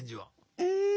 うん。